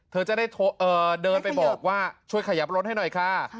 เธอจะได้เดินไปบอกว่าช่วยขยับรถให้หน่อยค่ะ